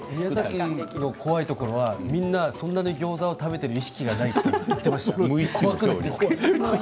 怖いのはみんなそんなにギョーザを食べている意識がないって言っていましたよ。